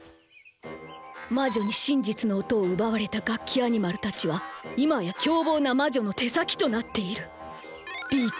魔女に真実の音を奪われたガッキアニマルたちは今や凶暴な魔女の手先となっている。